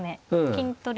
金取りで。